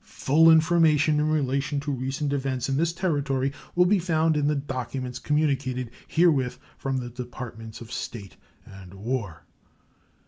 Full information in relation to recent events in this Territory will be found in the documents communicated herewith from the Departments of State and War.